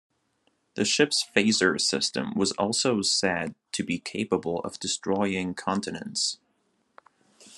The ship's phaser system was also said to be capable of destroying continents.